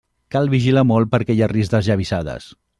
Cal vigilar molt perquè hi ha risc d'esllavissades.